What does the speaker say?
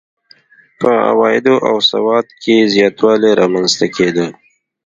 په عوایدو او سواد کې زیاتوالی رامنځته کېده.